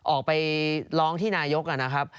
ออกไปร้องที่นายกนะครับ